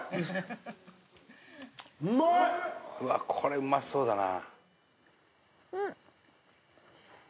これうまそうだな。